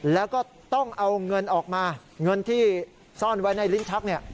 แล้วก็ต้องเอาเงินออกมาเงินที่ซ่อนไว้ในลิ้นชักเนี่ย